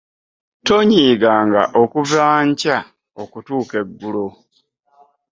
Tonyiiganga kuva nkya okutuusa eggulo.